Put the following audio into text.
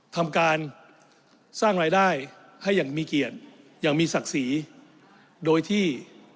ทำการสร้างรายได้ให้อย่างมีเกียรติอย่างมีศักดิ์ศรีโดยที่